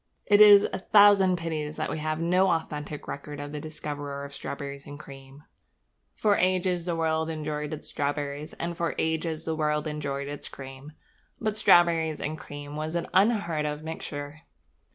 It is a thousand pities that we have no authentic record of the discoverer of strawberries and cream. For ages the world enjoyed its strawberries, and for ages the world enjoyed its cream. But strawberries and cream was an unheard of mixture.